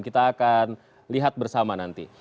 kita akan lihat bersama nanti